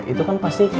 itu kan pasti